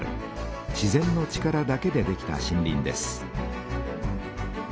自然の力だけでできた森林です。